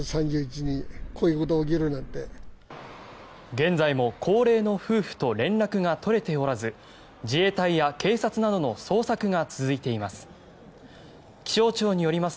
現在も高齢の夫婦と連絡が取れておらず自衛隊や警察などの捜索が続いています。